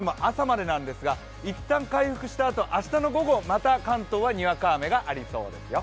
東京の雨も朝までなんですがいったん回復したあと明日の午後、また関東はにわか雨がありそうですよ。